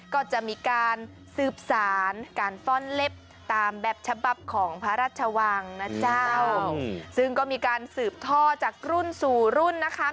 ก็จะมีการสืบสารการฟ่อนเล็บตามแบบฉบับของพระราชวังนะเจ้าซึ่งก็มีการสืบท่อจากรุ่นสู่รุ่นนะคะ